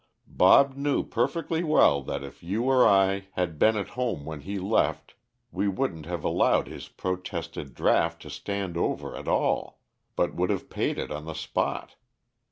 Bob knew perfectly well that if you or I had been at home when he left we wouldn't have allowed his protested draft to stand over at all, but would have paid it on the spot.